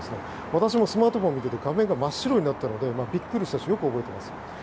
私もスマートフォンを見ていて画面が真っ白になったのでビックリしたのですごく覚えています。